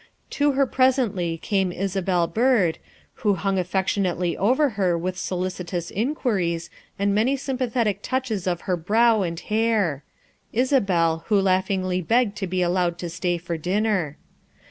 To her presently came Isabel Byrd, who hung affec tionately over her with solicitous inquiries and many sympathetic touches of her brow and hair Isabel, who laughingly begged to be allowed to stay for dinner.